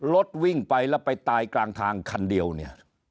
รถวิ่งไปแล้วไปตายกลางทางคันเดียวเนี่ย